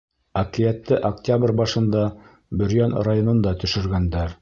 Әкиәтте октябрь башында Бөрйән районында төшөргәндәр.